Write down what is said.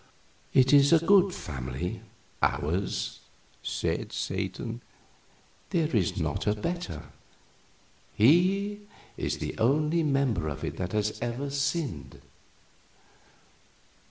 "It is a good family ours," said Satan; "there is not a better. He is the only member of it that has ever sinned."